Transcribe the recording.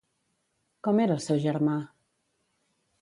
Com era el seu germà?